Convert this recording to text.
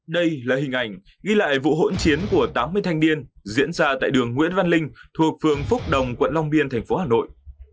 đây là hình ảnh ghi lại vụ hỗn chiến của tám mươi thanh niên diễn ra tại đường nguyễn văn linh thuộc phường phúc đồng quận long biên thành phố hà nội